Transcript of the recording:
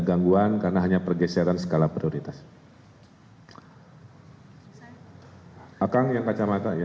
gangguan karena hanya pergeseran skala prioritas akang yang kacamata ya